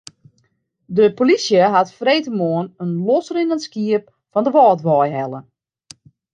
De polysje hat freedtemoarn in losrinnend skiep fan de Wâldwei helle.